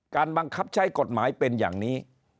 บังคับใช้กฎหมายเป็นอย่างนี้